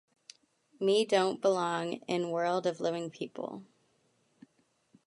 Me don't belong in world of living people!